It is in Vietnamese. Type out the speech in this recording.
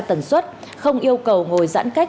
sản xuất không yêu cầu ngồi giãn cách